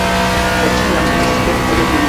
Por ĉiam estis perdita lia feliĉo.